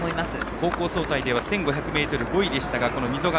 高校総体では１５００ｍ、５位でした溝上。